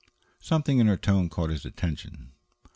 Something in her tone caught his attention.